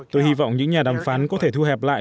tôi hy vọng những nhà đàm phán có thể thu hẹp lại